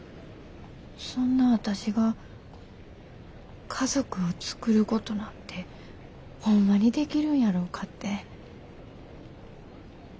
そんな私が家族を作ることなんてホンマにできるんやろうかって。